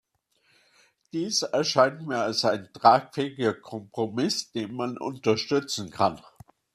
Dies erscheint mir als ein tragfähiger Kompromiss, den man unterstützen kann.